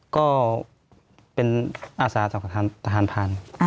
ก็เป็นอาศาสตร์สำหรับทหารพลัน